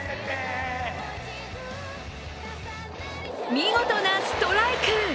見事なストライク！